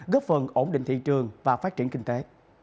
góp phần ổn định thị trường và phát triển kinh tế